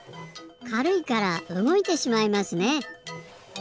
かるいからうごいてしまいますね。